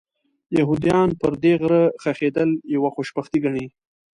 یهودان پر دې غره ښخېدل یوه خوشبختي ګڼي.